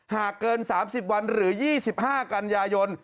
หากเกิน๓๐วันหรือ๒๕กันยายน